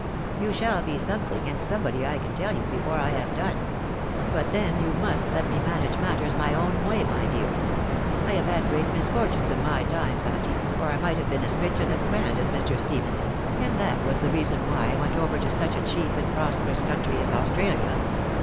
You shall be something, and somebody, I can tell you, before I have done. But then you must let me manage matters my own way, my dear. I have had great misfortunes in my time, Patty, or I might have been as rich and as grand as Mr. Stephenson, and that was the reason why I went over to such a cheap and prosperous country as Austraha.